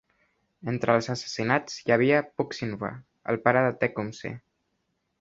Entre els assassinats hi havia Pucksinwah, el pare de Tecumseh.